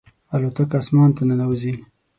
الوتکه اسمان ته ننوځي.